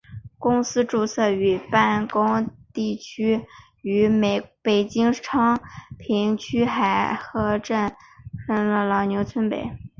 公司注册与办公地位于北京市昌平区沙河镇沙阳路老牛湾村北。